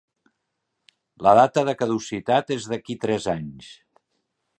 La data de caducitat és d"aquí tres anys.